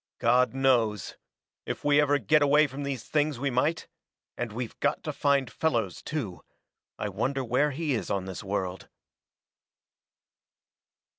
"God knows. If we ever get away from these things we might. And we've got to find Fellows, too; I wonder where he is on this world."